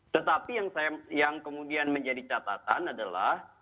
tetapi yang kemudian menjadi catatan adalah